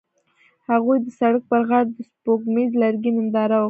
هغوی د سړک پر غاړه د سپوږمیز لرګی ننداره وکړه.